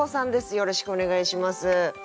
よろしくお願いします。